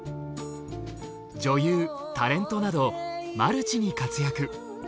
女優タレントなどマルチに活躍。